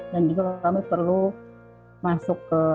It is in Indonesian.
dan juga kami perlu masuk ke